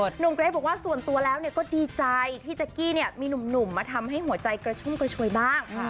หนุ่มเกรทบอกว่าส่วนตัวแล้วก็ดีใจที่แจ๊กกี้เนี่ยมีหนุ่มมาทำให้หัวใจกระชุ่มกระชวยบ้าง